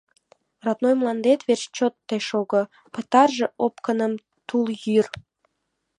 Родной мландет верч чот тый шого, Пытарже опкыным тул йӱр!